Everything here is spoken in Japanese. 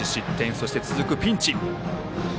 そして続くピンチ。